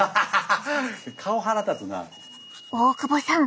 大久保さん。